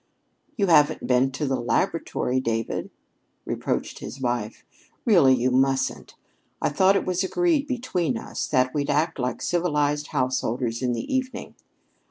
"You haven't been to the laboratory, David?" reproached his wife. "Really, you mustn't. I thought it was agreed between us that we'd act like civilized householders in the evening."